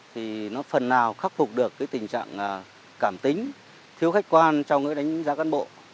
thì nó phần nào khắc phục được cái tình trạng cảm tính thiếu khách quan trong cái đánh giá cán bộ